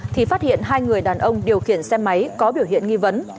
thì phát hiện hai người đàn ông điều khiển xe máy có biểu hiện nghi vấn